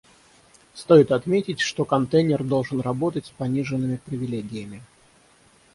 Стоит отметить, что контейнер должен работать с пониженными привилегиями